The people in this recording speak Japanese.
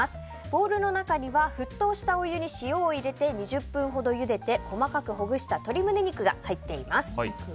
ボウルの中には沸騰したお湯に塩を入れて２０分ほどゆでて細かくほぐした鶏胸肉が入っています。